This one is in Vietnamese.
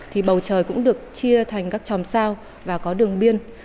thì bầu trời cũng được chia thành các tròm sao và có đường biên